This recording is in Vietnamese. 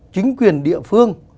chính quyền địa phương